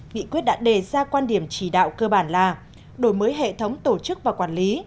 nghị quyết đã đề ra quan điểm chỉ đạo cơ bản là đổi mới hệ thống tổ chức và quản lý